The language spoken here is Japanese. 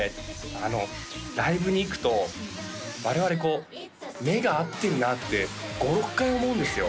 あのライブに行くと我々こう目が合ってるなって５６回思うんですよ